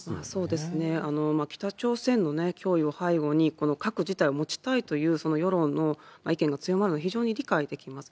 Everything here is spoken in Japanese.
そうですよね、北朝鮮の脅威を背後に、核自体を持ちたいという世論の意見が強まるのは非常に理解できます。